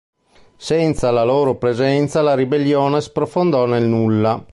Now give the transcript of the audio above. Senza la loro presenza la ribellione sprofondò nel nulla.